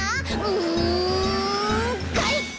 うんかいか！